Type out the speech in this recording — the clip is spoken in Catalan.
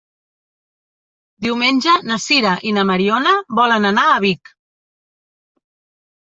Diumenge na Sira i na Mariona volen anar a Vic.